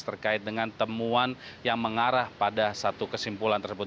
terkait dengan temuan yang mengarah pada satu kesimpulan tersebut